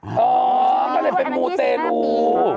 อ๋อก็เลยเป็นมูเตรลู